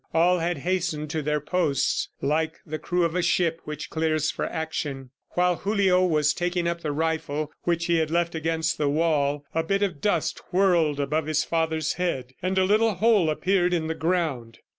All had hastened to their posts, like the crew of a ship which clears for action. While Julio was taking up the rifle which he had left against the wall, a bit of dust whirled above his father's head and a little hole appeared in the ground.